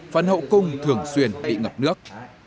phần hậu cung thường xuyên bị ngập nước